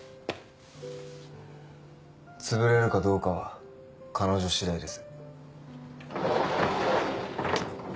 潰れるかどうかは彼女次第です。